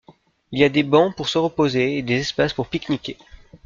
Il y a des bancs pour se reposer et des espaces pour pique-niquer.